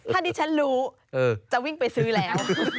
ถ้าดิฉันรู้จะวิ่งไปซื้อแล้ว